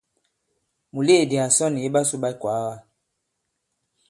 Mùleèdi à sɔ nì iɓasū ɓa ikwàaga.